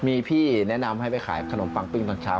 มีพี่แนะนำให้ไปขายขนมปังปิ้งตอนเช้า